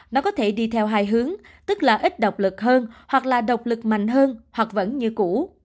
nó có thể đi theo hai hướng tức là ít độc lực hơn hoặc là độc lực mạnh hơn hoặc vẫn như cũ